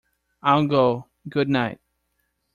I'll go, — good night!